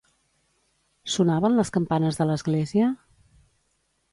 Sonaven les campanes de l'església?